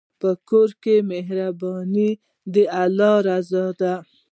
په کور کې مهرباني د الله رضا ده.